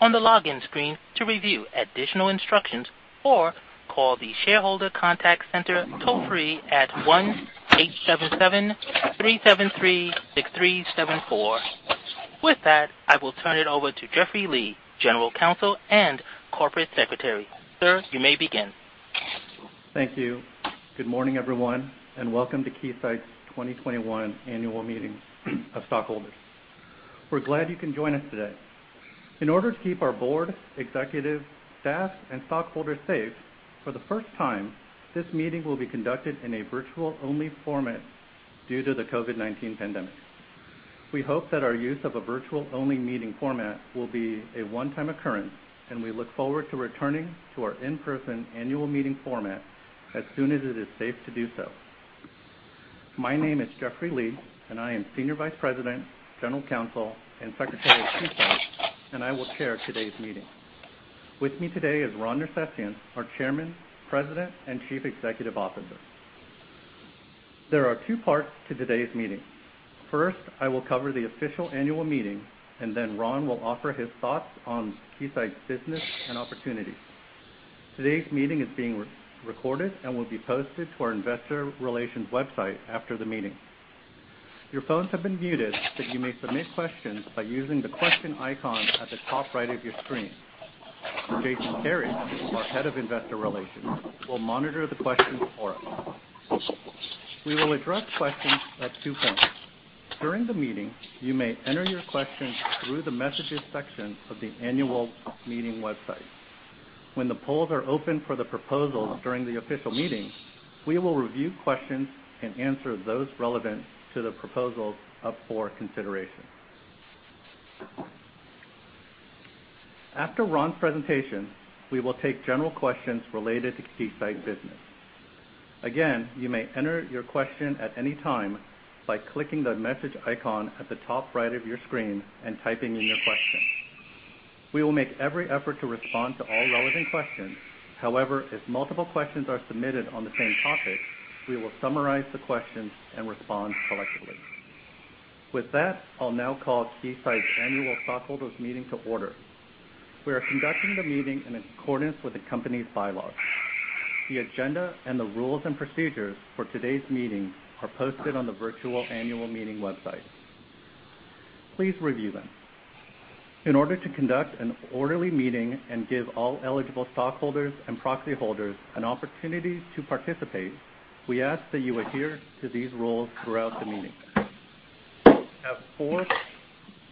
On the login screen to review additional instructions or call the shareholder contact center toll-free at 1-877-373-6374. With that, I will turn it over to Jeffrey Li, General Counsel and Corporate Secretary. Sir, you may begin. Thank you. Good morning, everyone, and welcome to Keysight's 2021 annual meeting of stockholders. We're glad you can join us today. In order to keep our Board, executive staff, and stockholders safe, for the first time, this meeting will be conducted in a virtual-only format due to the COVID-19 pandemic. We hope that our use of a virtual-only meeting format will be a one-time occurrence, and we look forward to returning to our in-person annual meeting format as soon as it is safe to do so. My name is Jeffrey Li, and I am Senior Vice President, General Counsel, and Secretary of Keysight and I will chair today's meeting. With me today is Ron Nersesian, our Chairman, President, and Chief Executive Officer. There are two parts to today's meeting. First, I will cover the official annual meeting, and then Ron will offer his thoughts on Keysight's business and opportunities. Today's meeting is being recorded and will be posted to our investor relations website after the meeting. Your phones have been muted, but you may submit questions by using the question icon at the top right of your screen. Jason Kary, our Head of Investor Relations, will monitor the questions for us. We will address questions at two points. During the meeting, you may enter your questions through the Messages section of the annual meeting website. When the polls are open for the proposals during the official meeting, we will review questions and answer those relevant to the proposals up for consideration. After Ron's presentation, we will take general questions related to Keysight business. Again, you may enter your question at any time by clicking the message icon at the top right of your screen and typing in your question. We will make every effort to respond to all relevant questions. However, if multiple questions are submitted on the same topic, we will summarize the questions and respond collectively. With that, I'll now call Keysight's annual stockholders meeting to order. We are conducting the meeting in accordance with the company's bylaws. The agenda and the rules and procedures for today's meeting are posted on the virtual annual meeting website. Please review them. In order to conduct an orderly meeting and give all eligible stockholders and proxy holders an opportunity to participate, we ask that you adhere to these rules throughout the meeting. We have four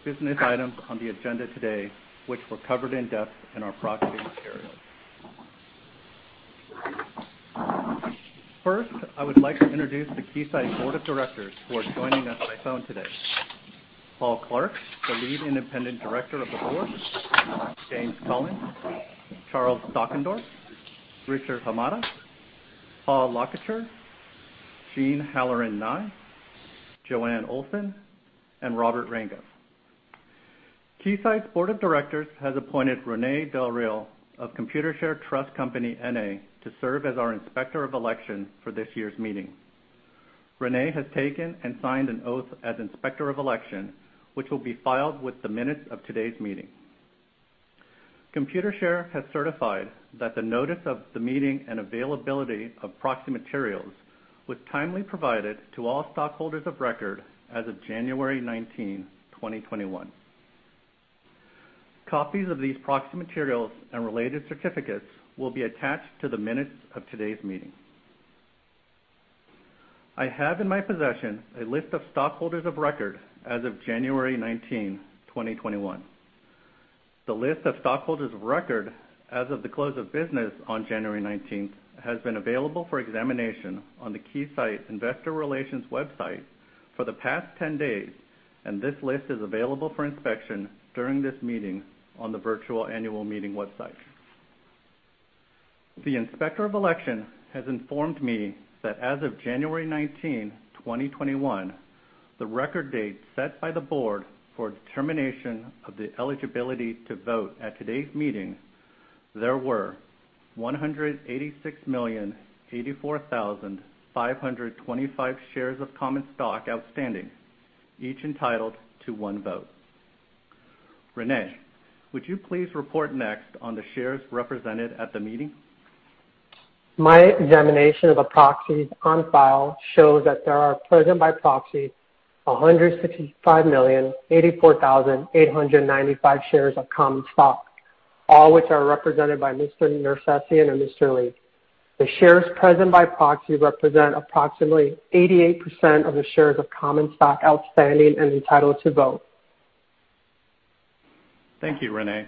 business items on the agenda today, which were covered in depth in our proxy materials. First, I would like to introduce the Keysight Board of Directors who are joining us by phone today. Paul Clark, the Lead Independent Director of the board, James Cullen, Charles Dockendorff, Richard Hamada, Paul Lacouture, Jean Nye, Joanne Olsen, and Robert Rango. Keysight's Board of Directors has appointed Rene Del Real of Computershare Trust Company, N.A. to serve as our Inspector of Election for this year's meeting. Rene has taken and signed an oath as Inspector of Election, which will be filed with the minutes of today's meeting. Computershare has certified that the notice of the meeting and availability of proxy materials was timely provided to all stockholders of record as of January 19th, 2021. Copies of these proxy materials and related certificates will be attached to the minutes of today's meeting. I have in my possession a list of stockholders of record as of January 19th, 2021. The list of stockholders of record as of the close of business on January 19th has been available for examination on the Keysight investor relations website for the past 10 days. This list is available for inspection during this meeting on the virtual annual meeting website. The Inspector of Election has informed me that as of January 19th, 2021, the record date set by the board for determination of the eligibility to vote at today's meeting, there were 186,084,525 shares of common stock outstanding, each entitled to one vote. Rene, would you please report next on the shares represented at the meeting? My examination of the proxies on file shows that there are present by proxy 165,084,895 shares of common stock, all which are represented by Mr. Nersesian and Mr. Li. The shares present by proxy represent approximately 88% of the shares of common stock outstanding and entitled to vote. Thank you, Rene.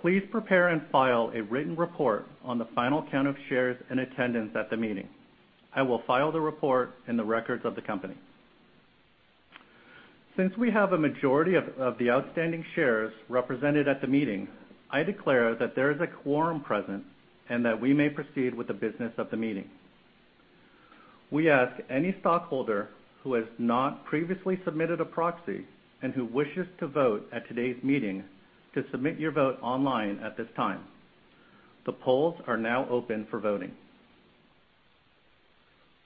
Please prepare and file a written report on the final count of shares in attendance at the meeting. I will file the report in the records of the company. Since we have a majority of the outstanding shares represented at the meeting, I declare that there is a quorum present and that we may proceed with the business of the meeting. We ask any stockholder who has not previously submitted a proxy and who wishes to vote at today's meeting to submit your vote online at this time. The polls are now open for voting.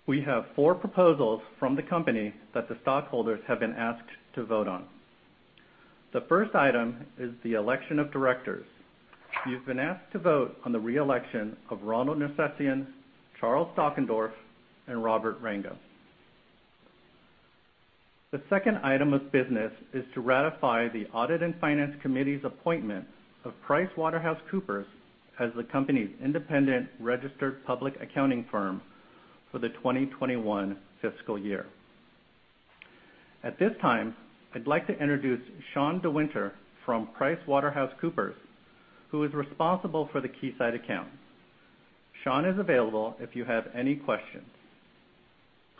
We have four proposals from the company that the stockholders have been asked to vote on. The first item is the election of directors. You've been asked to vote on the re-election of Ronald Nersesian, Charles Dockendorff, and Robert Rango. The second item of business is to ratify the audit and finance committee's appointment of PricewaterhouseCoopers as the company's independent registered public accounting firm for the 2021 fiscal year. At this time, I'd like to introduce Sean DeWinter from PricewaterhouseCoopers, who is responsible for the Keysight account. Sean is available if you have any questions.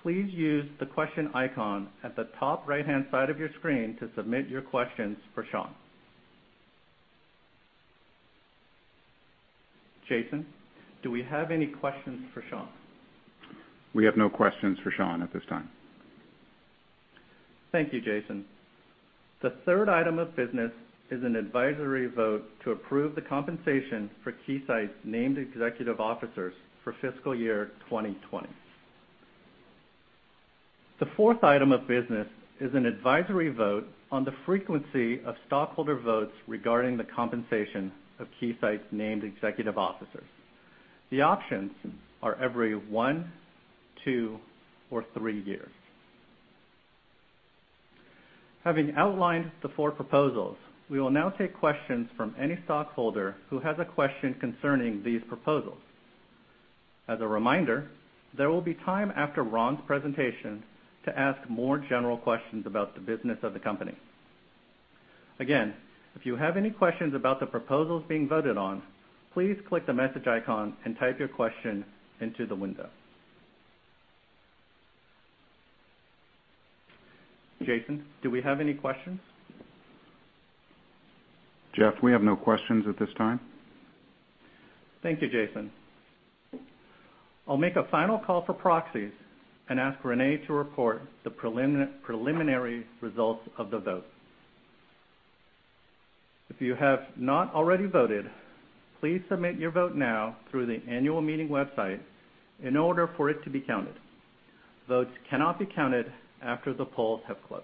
Please use the question icon at the top right-hand side of your screen to submit your questions for Sean. Jason, do we have any questions for Sean? We have no questions for Sean at this time. Thank you, Jason. The third item of business is an advisory vote to approve the compensation for Keysight's named executive officers for fiscal year 2020. The fourth item of business is an advisory vote on the frequency of stockholder votes regarding the compensation of Keysight's named executive officers. The options are every one, two, or three years. Having outlined the four proposals, we will now take questions from any stockholder who has a question concerning these proposals. As a reminder, there will be time after Ron's presentation to ask more general questions about the business of the company. Again, if you have any questions about the proposals being voted on, please click the message icon and type your question into the window. Jason, do we have any questions? Jeff, we have no questions at this time. Thank you, Jason. I'll make a final call for proxies and ask Rene to report the preliminary results of the vote. If you have not already voted, please submit your vote now through the annual meeting website in order for it to be counted. Votes cannot be counted after the polls have closed.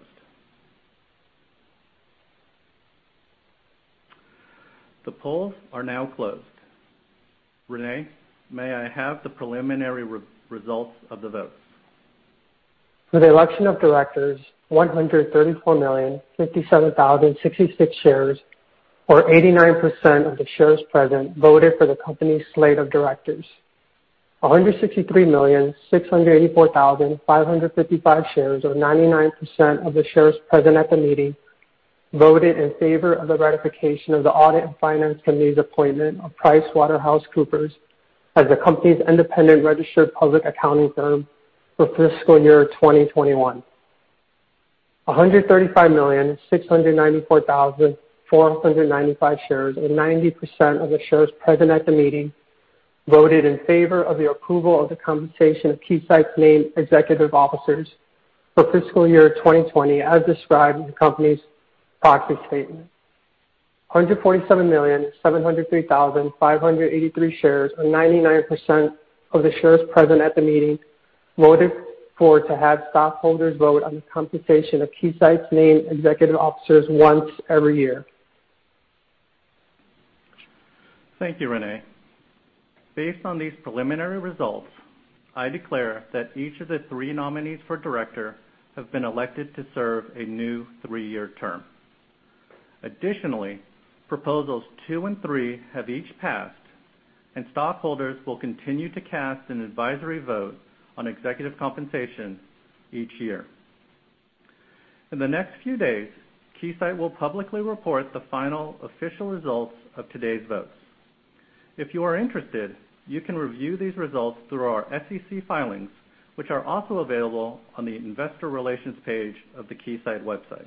The polls are now closed. Rene, may I have the preliminary results of the votes? For the election of directors, 134,057,066 shares, or 89% of the shares present, voted for the company's slate of directors. 163,684,555 shares, or 99% of the shares present at the meeting, voted in favor of the ratification of the audit and finance committee's appointment of PricewaterhouseCoopers as the company's independent registered public accounting firm for fiscal year 2021. 135,694,495 shares, or 90% of the shares present at the meeting, voted in favor of the approval of the compensation of Keysight's named executive officers for fiscal year 2020, as described in the company's proxy statement. 127,703,583 shares, or 99% of the shares present at the meeting, voted for to have stockholders vote on the compensation of Keysight's named executive officers once every year. Thank you, Rene. Based on these preliminary results, I declare that each of the three nominees for director have been elected to serve a new three-year term. Additionally, proposals two and three have each passed, and stockholders will continue to cast an advisory vote on executive compensation each year. In the next few days, Keysight will publicly report the final official results of today's votes. If you are interested, you can review these results through our SEC filings, which are also available on the investor relations page of the Keysight website.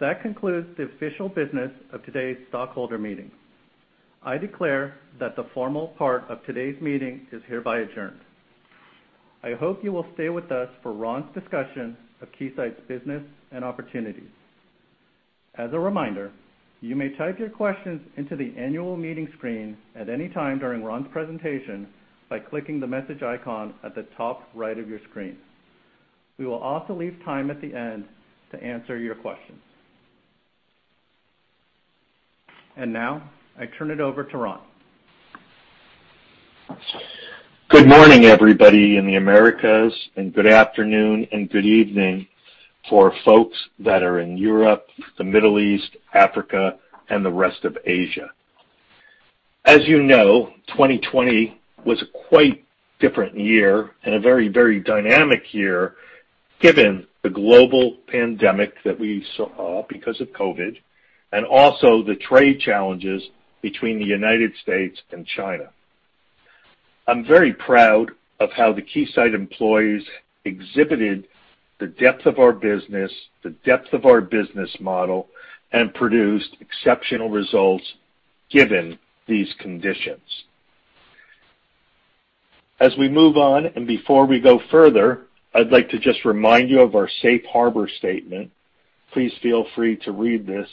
That concludes the official business of today's stockholder meeting. I declare that the formal part of today's meeting is hereby adjourned. I hope you will stay with us for Ron's discussion of Keysight's business and opportunities. As a reminder, you may type your questions into the annual meeting screen at any time during Ron's presentation by clicking the message icon at the top right of your screen. We will also leave time at the end to answer your questions. Now, I turn it over to Ron. Good morning, everybody in the Americas, and good afternoon and good evening for folks that are in Europe, the Middle East, Africa, and the rest of Asia. As you know, 2020 was a quite different year and a very, very dynamic year given the global pandemic that we saw because of COVID and also the trade challenges between the U.S. and China. I'm very proud of how the Keysight employees exhibited the depth of our business, the depth of our business model, and produced exceptional results given these conditions. As we move on and before we go further, I'd like to just remind you of our safe harbor statement. Please feel free to read this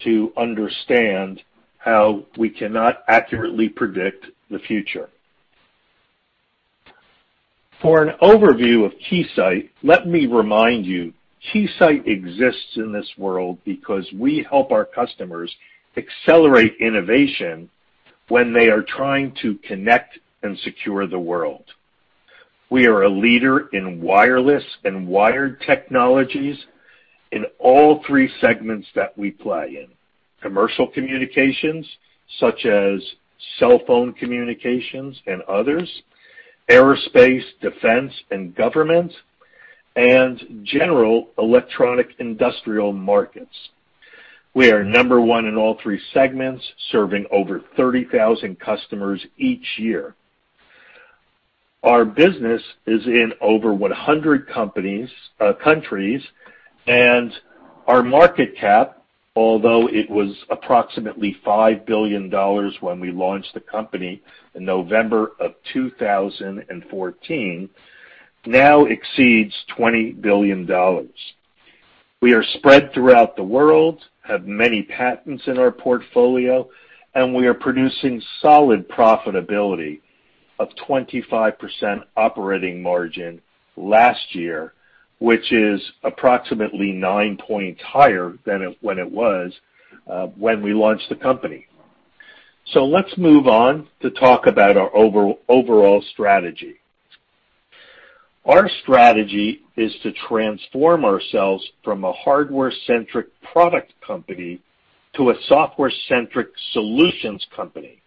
to understand how we cannot accurately predict the future. For an overview of Keysight, let me remind you, Keysight exists in this world because we help our customers accelerate innovation when they are trying to connect and secure the world. We are a leader in wireless and wired technologies in all three segments that we play in. Commercial communications, such as cell phone communications and others, aerospace, defense, and government, and general electronic industrial markets. We are number one in all three segments, serving over 30,000 customers each year. Our business is in over 100 countries, our market cap, although it was approximately $5 billion when we launched the company in November of 2014, now exceeds $20 billion. We are spread throughout the world, have many patents in our portfolio, we are producing solid profitability of 25% operating margin last year, which is approximately nine points higher than when it was when we launched the company. Let's move on to talk about our overall strategy. Our strategy is to transform ourselves from a hardware-centric product company to a software-centric solutions company.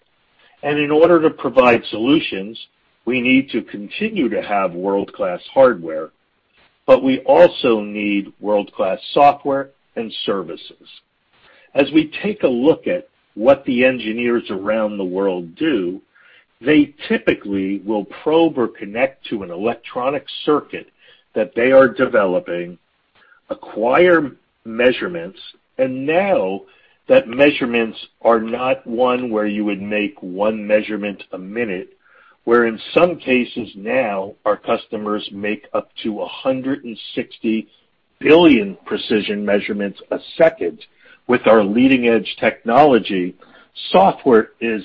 In order to provide solutions, we need to continue to have world-class hardware, but we also need world-class software and services. As we take a look at what the engineers around the world do, they typically will probe or connect to an electronic circuit that they are developing, acquire measurements, and now that measurements are not one where you would make one measurement a minute. Where in some cases now our customers make up to 160 billion precision measurements a second with our leading-edge technology, software is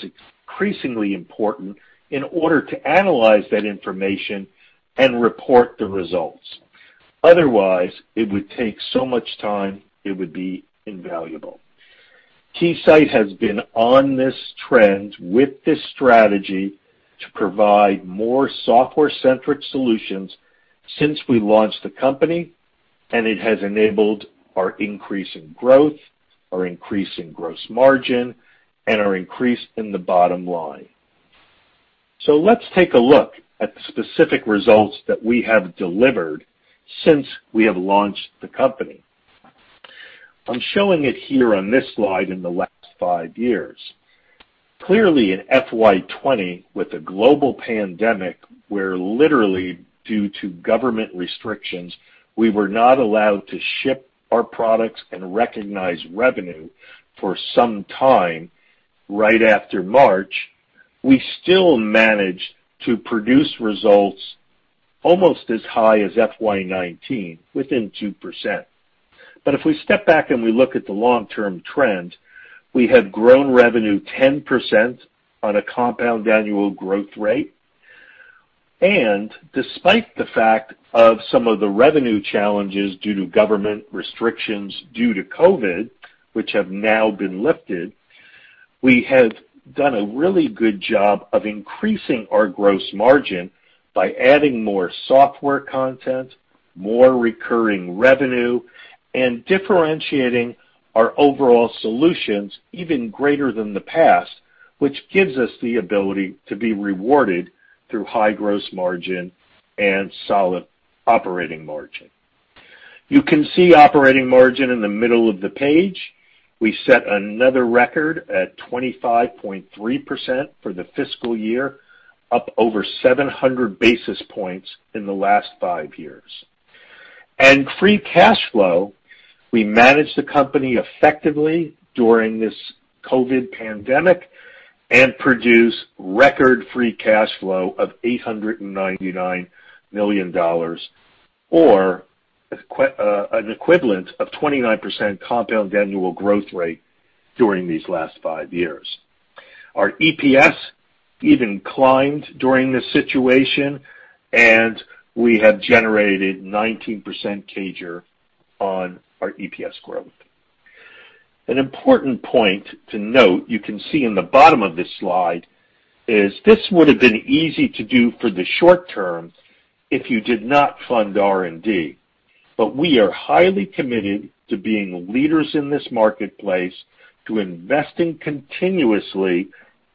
increasingly important in order to analyze that information and report the results. Otherwise, it would take so much time it would be invaluable. Keysight has been on this trend with this strategy to provide more software-centric solutions since we launched the company, and it has enabled our increase in growth, our increase in gross margin, and our increase in the bottom line. Let's take a look at the specific results that we have delivered since we have launched the company. I'm showing it here on this slide in the last five years. Clearly, in FY 2020, with the global pandemic, where literally due to government restrictions, we were not allowed to ship our products and recognize revenue for some time, right after March, we still managed to produce results almost as high as FY 2019, within 2%. If we step back, and we look at the long-term trend, we have grown revenue 10% on a compound annual growth rate. Despite the fact of some of the revenue challenges due to government restrictions due to COVID, which have now been lifted, we have done a really good job of increasing our gross margin by adding more software content, more recurring revenue, and differentiating our overall solutions even greater than the past, which gives us the ability to be rewarded through high gross margin and solid operating margin. You can see operating margin in the middle of the page. We set another record at 25.3% for the fiscal year, up over 700 basis points in the last five years. Free cash flow, we managed the company effectively during this COVID pandemic and produced record free cash flow of $899 million, or an equivalent of 29% compound annual growth rate during these last five years. Our EPS even climbed during this situation, and we have generated 19% CAGR on our EPS growth. An important point to note, you can see in the bottom of this slide, is this would have been easy to do for the short term if you did not fund R&D. We are highly committed to being leaders in this marketplace, to investing continuously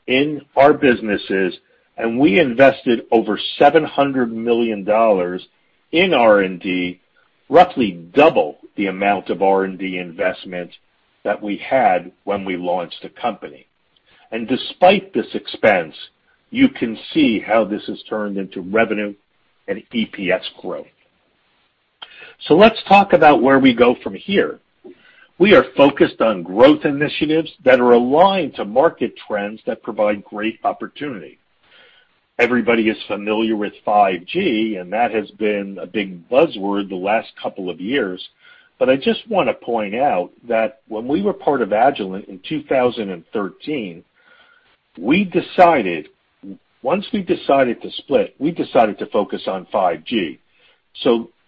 in our businesses, and we invested over $700 million in R&D, roughly double the amount of R&D investment that we had when we launched the company. Despite this expense, you can see how this has turned into revenue and EPS growth. Let's talk about where we go from here. We are focused on growth initiatives that are aligned to market trends that provide great opportunity. Everybody is familiar with 5G, and that has been a big buzzword the last couple of years. I just want to point out that when we were part of Agilent in 2013, once we decided to split, we decided to focus on 5G.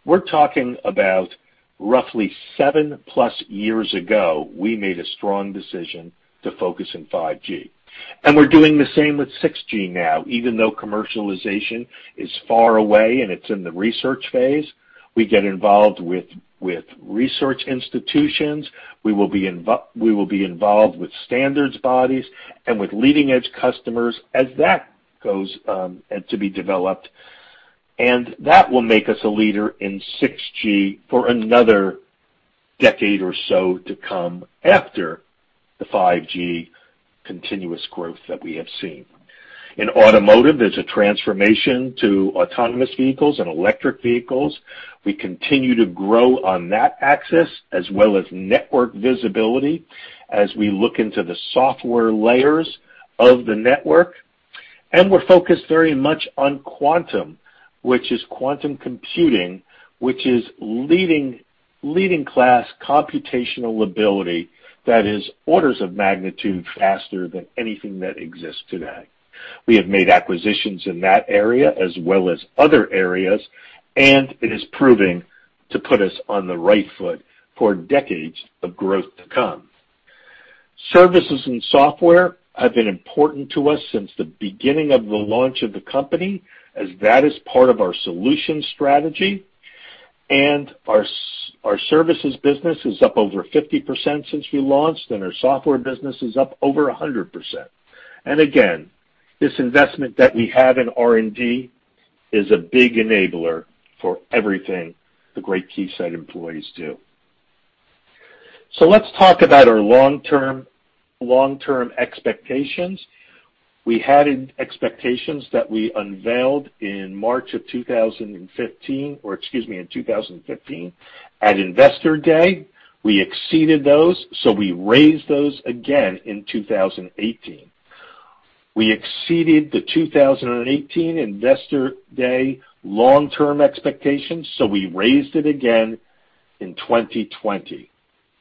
We're talking about roughly seven-plus years ago, we made a strong decision to focus on 5G. We're doing the same with 6G now, even though commercialization is far away and it's in the research phase. We get involved with research institutions, we will be involved with standards bodies and with leading-edge customers as that goes to be developed, and that will make us a leader in 6G for another decade or so to come after the 5G continuous growth that we have seen. In automotive, there's a transformation to autonomous vehicles and electric vehicles. We continue to grow on that axis as well as network visibility as we look into the software layers of the network. We're focused very much on quantum, which is quantum computing, which is leading-class computational ability that is orders of magnitude faster than anything that exists today. We have made acquisitions in that area as well as other areas, and it is proving to put us on the right foot for decades of growth to come. Services and software have been important to us since the beginning of the launch of the company, as that is part of our solution strategy. Our services business is up over 50% since we launched, and our software business is up over 100%. Again, this investment that we have in R&D is a big enabler for everything the great Keysight employees do. Let's talk about our long-term expectations. We had expectations that we unveiled in March of 2015, or excuse me, in 2015 at Investor Day. We exceeded those. We raised those again in 2018. We exceeded the 2018 Investor Day long-term expectations. We raised it again in 2020.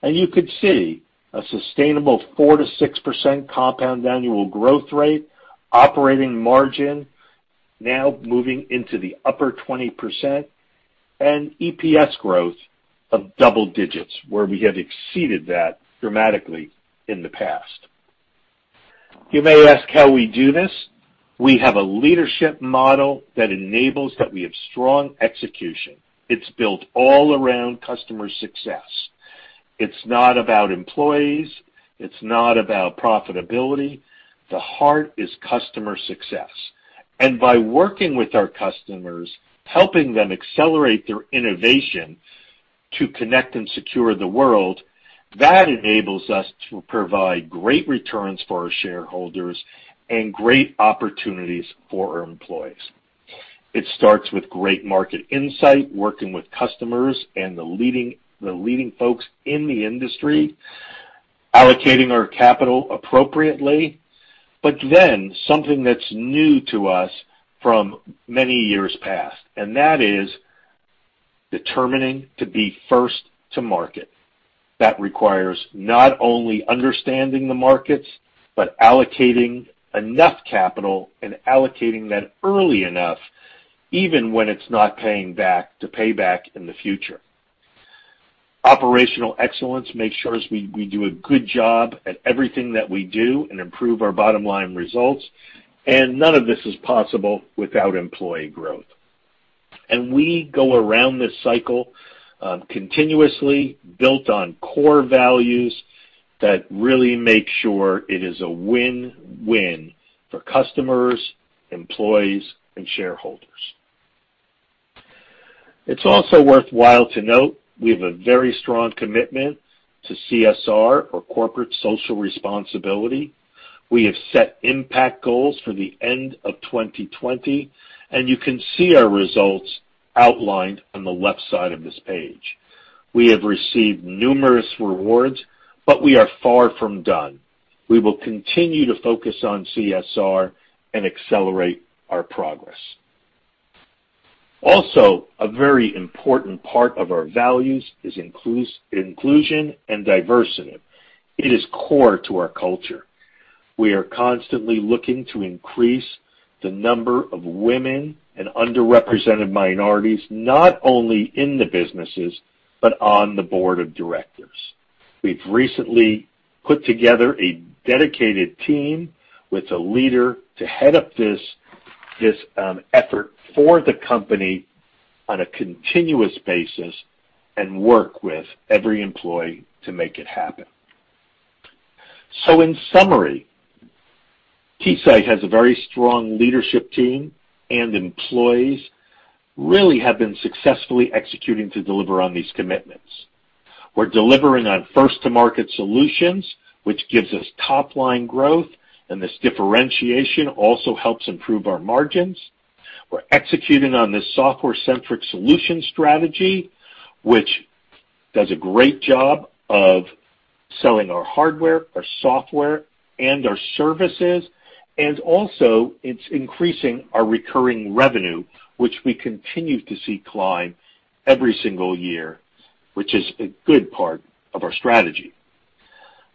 You could see a sustainable 4%-6% compound annual growth rate, operating margin now moving into the upper 20%, and EPS growth of double-digits, where we have exceeded that dramatically in the past. You may ask how we do this. We have a Leadership Model that enables that we have strong execution. It's built all around customer success. It's not about employees, it's not about profitability. The heart is customer success. By working with our customers, helping them accelerate their innovation to connect and secure the world, that enables us to provide great returns for our shareholders and great opportunities for our employees. It starts with great market insight, working with customers and the leading folks in the industry, allocating our capital appropriately. Something that's new to us from many years past, and that is determining to be first to market. That requires not only understanding the markets, but allocating enough capital and allocating that early enough, even when it's not paying back, to pay back in the future. Operational excellence makes sure we do a good job at everything that we do and improve our bottom-line results, and none of this is possible without employee growth. We go around this cycle continuously built on core values that really make sure it is a win-win for customers, employees, and shareholders. It's also worthwhile to note we have a very strong commitment to CSR or corporate social responsibility. We have set impact goals for the end of 2020, and you can see our results outlined on the left side of this page. We have received numerous rewards, but we are far from done. We will continue to focus on CSR and accelerate our progress. Also, a very important part of our values is inclusion and diversity. It is core to our culture. We are constantly looking to increase the number of women and underrepresented minorities, not only in the businesses, but on the board of directors. We've recently put together a dedicated team with a leader to head up this effort for the company on a continuous basis and work with every employee to make it happen. In summary, Keysight has a very strong leadership team, and employees really have been successfully executing to deliver on these commitments. We're delivering on first-to-market solutions, which gives us top-line growth, and this differentiation also helps improve our margins. We're executing on this software-centric solution strategy, which does a great job of selling our hardware, our software, and our services. Also it's increasing our recurring revenue, which we continue to see climb every single year, which is a good part of our strategy.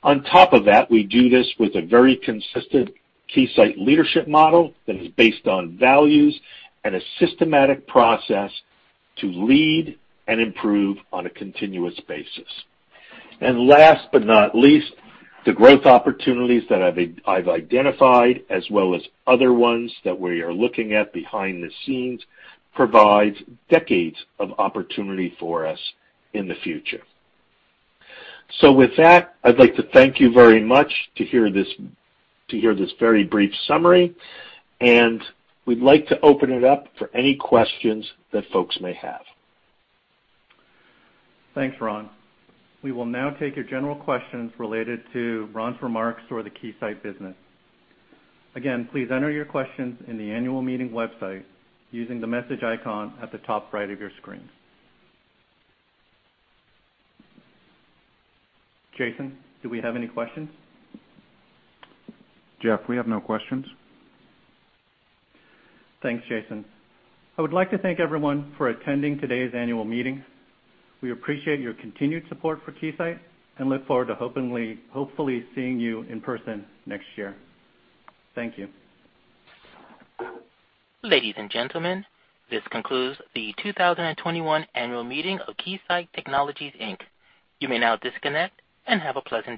On top of that, we do this with a very consistent Keysight Leadership Model that is based on values and a systematic process to lead and improve on a continuous basis. Last but not least, the growth opportunities that I've identified as well as other ones that we are looking at behind the scenes provide decades of opportunity for us in the future. With that, I'd like to thank you very much to hear this very brief summary, and we'd like to open it up for any questions that folks may have. Thanks, Ron. We will now take your general questions related to Ron's remarks or the Keysight business. Again, please enter your questions in the annual meeting website using the message icon at the top right of your screen. Jason, do we have any questions? Jeff, we have no questions. Thanks, Jason. I would like to thank everyone for attending today's annual meeting. We appreciate your continued support for Keysight and look forward to hopefully seeing you in person next year. Thank you. Ladies and gentlemen, this concludes the 2021 annual meeting of Keysight Technologies, Inc. You may now disconnect and have a pleasant day.